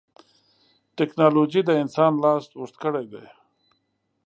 ټکنالوجي د انسان لاس اوږد کړی دی.